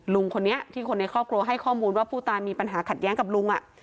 ลุงคนนี้ที่คนในครอบครัวให้ข้อมูลว่าผู้ตายมีปัญหาขัดแย้งกับลุง